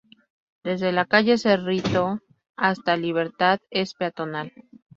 Desde la calle Cerrito hasta Libertad es peatonal.